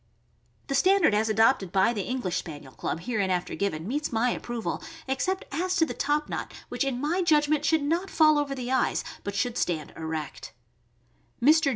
The standard as adopted by the English Spaniel Club, hereinafter given, meets my approval, except as to the top knot, which in my judgment should not fall over the eyes, but should stand erect. Mr.